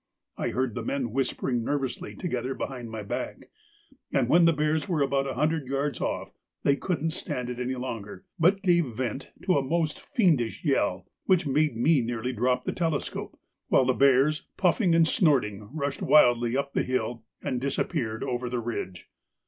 I heard the men whispering nervously together behind my back, and when the bears were about a hundred yards off they couldn't stand it any longer, but gave vent to a most fiendish yell, which made me nearly drop the telescope, while the bears, puffing and snorting, rushed wildly up the hill and disappeared over the ridge.